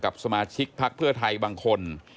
กับสมาชิกพลักษณ์เพื่อไทยบางคน